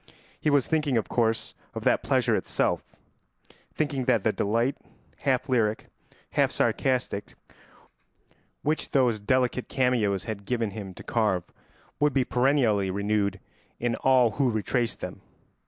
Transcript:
He was thinking, of course, of that pleasure itself; thinking that the delight, half lyric, half sarcastic, which those delicate cameos had given him to carve would be perennially renewed in all who retraced them.